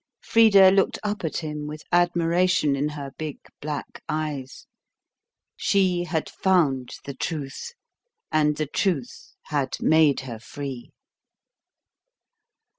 Frida looked up at him with admiration in her big black eyes. She had found the truth, and the truth had made her free.